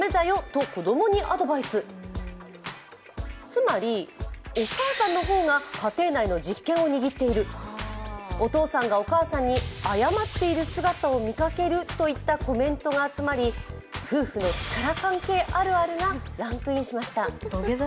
つまりお母さんの方が家庭内の実権を握っている、お父さんがお母さんに謝っている姿を見かけるというコメントが集まり夫婦の力関係あるあるがランクインしました。